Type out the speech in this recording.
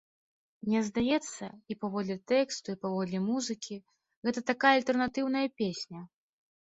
Мне здаецца, і паводле тэксту і паводле музыкі, гэта такая альтэрнатыўная песня.